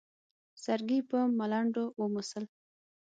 سرګي په ملنډو وموسل.